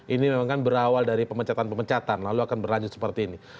ini memang kan berawal dari pemecatan pemecatan lalu akan berlanjut seperti ini